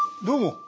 どうも。